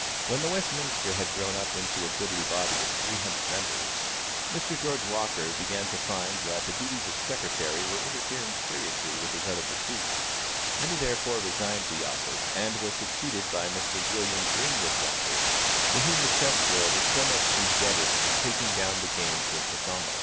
When the Westminster had grown up into a goodly body of three hundred members, Mr. George Walker began to find that the duties of secretary were interfering seriously with his other pursuits, and he therefore resigned the office, and was succeeded by Mr. William Greenwood Walker, to whom the chess world is so much indebted for taking down the games of McDonnel.